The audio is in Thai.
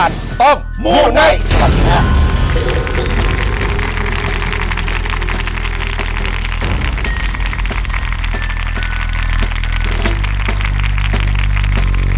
อยู่ที่แม่ศรีวิรัยิลครับ